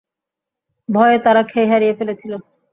ভয়ে তারা খেই হারিয়ে ফেলেছিল।